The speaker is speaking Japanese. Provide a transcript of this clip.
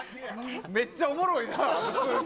めっちゃおもろいな、普通に！